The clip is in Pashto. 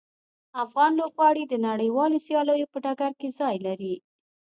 افغان لوبغاړي د نړیوالو سیالیو په ډګر کې ځای لري.